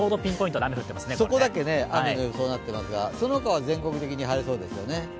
そこだけ雨の予想になってますがその他は全国的に晴れそうですよね。